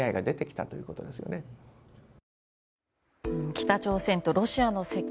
北朝鮮とロシアの接近。